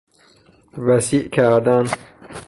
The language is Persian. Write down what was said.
وسیع کردن